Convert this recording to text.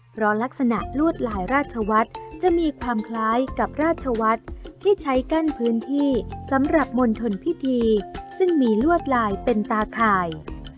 เพราะลักษณะลวดลายราชวัฒน์จะมีความคล้ายกับราชวัฒน์ที่ใช้กั้นพื้นที่สำหรับมณฑลพิธีซึ่งมีลวดลายเป็นตาข่าย